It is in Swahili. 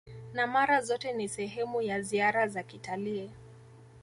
na mara zote ni sehemu ya ziara za kitalii